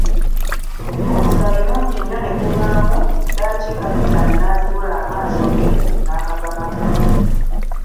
Omusaayi mungi nnyo ne guvaamu, ddaaki Kapitaani n'azibula amaaso ge n'amagamaga.